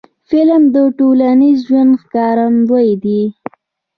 فلم د ټولنیز ژوند ښکارندوی دی